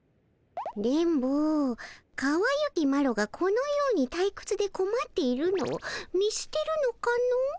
電ボかわゆきマロがこのようにたいくつでこまっているのを見すてるのかの？